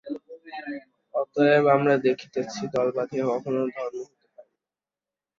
অতএব আমরা দেখিতেছি, দল বাঁধিয়া কখনও ধর্ম হইতে পারে না।